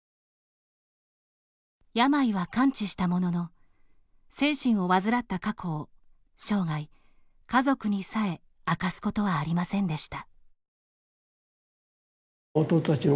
病は完治したものの精神を患った過去を生涯、家族にさえ明かすことはありませんでした。